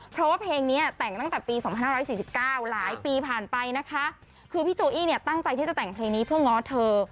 เพราะว่าเพลงนี้แต่งตั้งแต่ปี๒๕๔๙หลายปีผ่านไปนะคะคือพี่โจอี้เนี่ยตั้งใจที่จะแต่งเพลงนี้เพื่อง้อเธอ